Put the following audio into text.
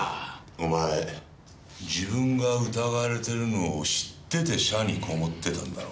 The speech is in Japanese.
お前自分が疑われているのを知ってて社にこもってたんだろう。